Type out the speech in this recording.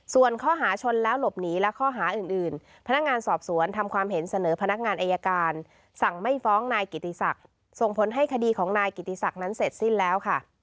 ส่วนข้อหาชนแล้วหลบหนีและข้อหาอื่นพนักงานสอบสวนทำความเห็นเสนอพนักงานอายการสั่งไม่ฟ้องนายกิติศักดิ์ส่งผลให้คดีของนายกิติศักดิ์นั้นเสร็จสิ้นแล้วค่ะ